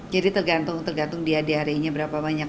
jadi tergantung dia diarenya berapa banyak